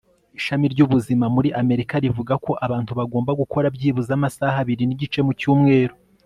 Ishami ryubuzima muri Amerika rivuga ko abantu bagomba gukora byibuze amasaha abiri nigice mu cyumweru